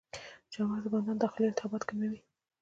چارمغز د بدن داخلي التهابات کموي.